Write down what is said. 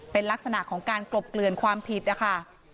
เป็นลักษณะของการกลบเกลือนความผิดนะคะ